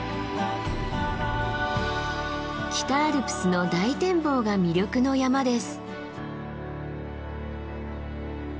北アルプスの大展望が魅力の山です。